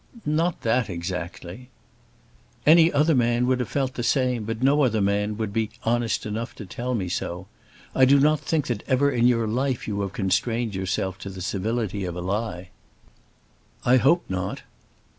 "Not that exactly." "Any other man would have felt the same, but no other man would be honest enough to tell me so. I do not think that ever in your life you have constrained yourself to the civility of a lie." "I hope not."